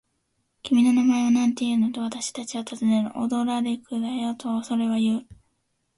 「君の名前はなんていうの？」と、私たちはたずねる。「オドラデクだよ」と、それはいう。